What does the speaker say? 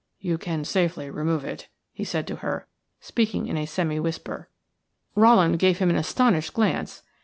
"You can safely remove it," he said to her, speaking in a semi whisper. Rowland gave him an astonished glance.